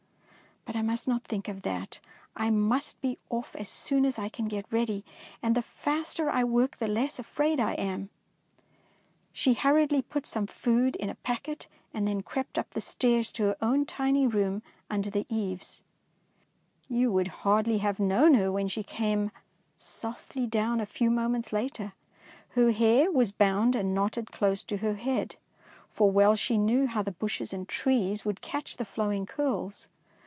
But I must not think of that, for I must be off as soon as I can get ready, and the faster I work the less afraid I am." She hurriedly put some food in a packet, and then crept up the stairs to her own tiny room under the eaves. 247 DEEDS OF DAKING You would hardly have known her when she came softly down a few moments later. Her hair was bound and knotted close to her head, for well she knew how the bushes and trees would catch the flowing curls.